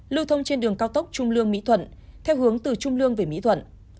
lưu thông trên đường cao tốc trung lương mỹ thuận theo hướng từ trung lương về mỹ thuận